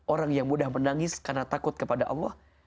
orang yang mudah menangis karena takut kepada allah